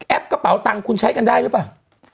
กระเป๋าตังค์คุณใช้กันได้หรือเปล่า